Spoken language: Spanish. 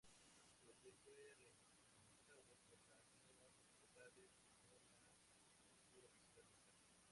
Su hotel fue requisado por las nuevas autoridades y no lo pudo recuperar nunca.